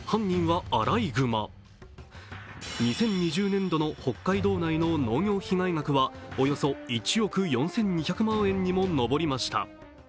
２０２０年度の北海道内の農業被害額はおよそ１億４２００万円にも上りました。